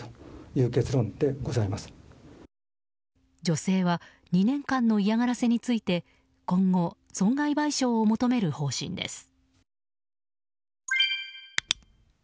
女性は２年間の嫌がらせについて今後、損害賠償を求める方針です。